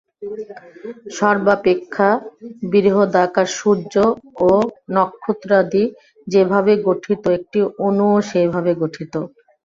সর্বাপেক্ষা বৃহদাকার সূর্য ও নক্ষত্রাদি যেভাবে গঠিত, একটি অণুও সেইভাবে গঠিত।